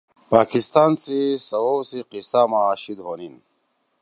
پاکستان سی سوؤ سی قصّہ ما شیِد ہونیِن